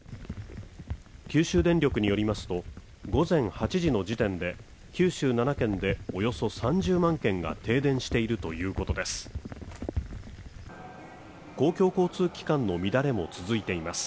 九州電力によりますと、午前８時の時点で九州７県でおよそ３０万軒が停電しているということです。